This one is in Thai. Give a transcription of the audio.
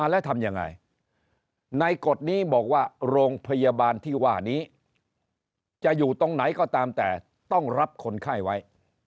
แล้วทำยังไงในกฎนี้บอกว่าโรงพยาบาลที่ว่านี้จะอยู่ตรงไหนก็ตามแต่ต้องรับคนไข้ไว้